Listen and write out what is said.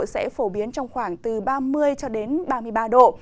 sẽ phổ biến trong khoảng từ ba mươi ba mươi ba độ